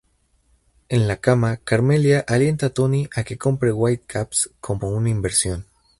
En la cama, Carmela alienta a Tony a que compre Whitecaps como una inversión.